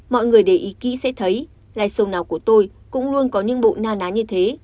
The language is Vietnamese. mọi người để ý kỹ sẽ thấy lai show nào của tôi cũng luôn có những bộ na ná như thế